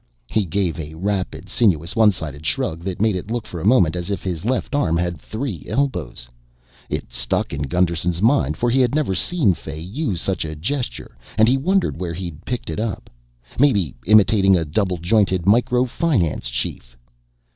He gave a rapid sinuous one sided shrug that made it look for a moment as if his left arm had three elbows. It stuck in Gusterson's mind, for he had never seen Fay use such a gesture and he wondered where he'd picked it up. Maybe imitating a double jointed Micro Finance chief?